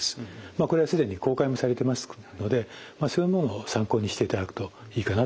これは既に公開もされてますのでそういうものを参考にしていただくといいかなと思います。